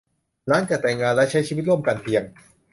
หลังจากแต่งงานและใช้ชีวิตร่วมกันเพียง